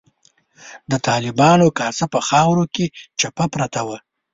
د طالبانو کاسه په خاورو کې چپه پرته وه.